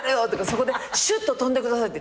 「そこでシュッととんでください」